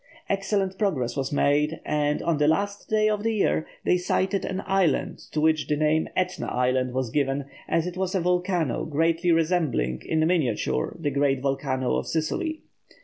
Excellent progress was made, and, on the last day of the year, they sighted an island to which the name Etna Island was given, as it was a volcano greatly resembling, in miniature, the great volcano of Sicily.